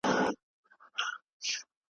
درناوی او مشوره د محبت فضا رامنځته کوي.